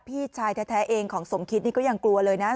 พี่ชายแท้เองของสมคิตนี่ก็ยังกลัวเลยนะ